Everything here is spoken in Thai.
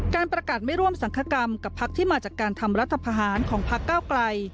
การประกาศไม่ร่วมสังคกรรมกับพักที่มาจากการทำรัฐพาหารของพักเก้าไกล